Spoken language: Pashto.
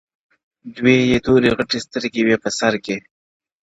• دوې یې توري غټي سترګي وې په سر کي -